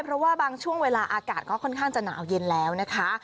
เพราะว่าบางช่วงเวลาอากาศก็ค่อนข้างจะหนาวเย็นแล้วนะคะ